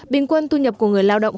bình quân tu nhập của người lao động